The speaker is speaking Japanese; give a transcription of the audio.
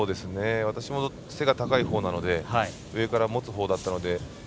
私も背が高いほうなので上から持つほうだったので。